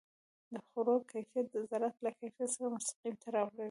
د خوړو کیفیت د زراعت له کیفیت سره مستقیم تړاو لري.